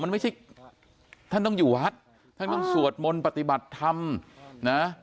มันไม่ใช่ท่านต้องอยู่วัดท่านต้องสวดมนต์ปฏิบัติธรรมนะ